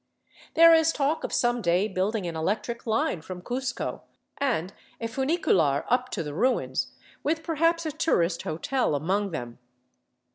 There is talk of some day building an electric line from Cuzco, and a funicular up to the ruins, with perhaps a tourist hotel among them.